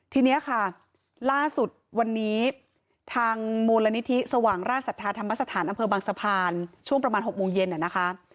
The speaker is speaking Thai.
ทีนี้ค่ะล่าสุดวันนี้ทางมูลนิธิสว่างราชศรัทธาธรรมสถานอำเภอบางสะพานช่วงประมาณ๖โมงเย็นนะคะ